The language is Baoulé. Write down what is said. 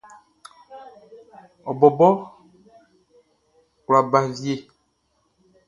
Ɔ bɔbɔ kwla ba wie.